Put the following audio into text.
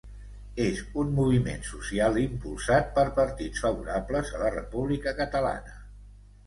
És un moviment social impulsat per partits favorables a la República Catalana.